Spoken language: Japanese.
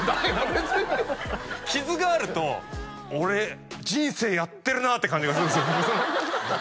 別に傷があると「俺人生やってるな」って感じがするんですよ